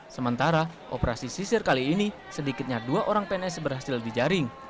sementara operasi sisir kali ini sedikitnya dua orang pns berhasil dijaring